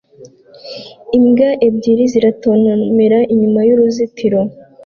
imbwa ebyiri ziratontomera inyuma y'uruzitiro